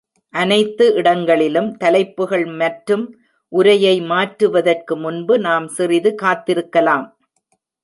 அனைத்து இடங்களிலும் தலைப்புகள் மற்றும் உரையை மாற்றுவதற்கு முன்பு நாம் சிறிது காத்திருக்கலாம்?